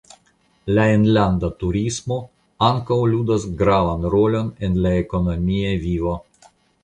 La enlanda turismo ankaŭ ludas gravan rolon en la ekonomia vivo.